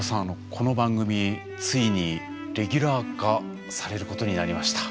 この番組ついにレギュラー化されることになりました。